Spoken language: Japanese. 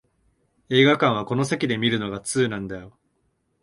映画館はこの席で観るのが通なんだよ